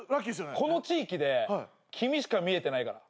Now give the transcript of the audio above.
この地域で君しか見れてないから。